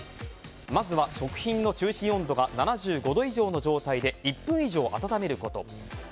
まずは食品の中心温度が７５度以上の状態で１分以上、温めること。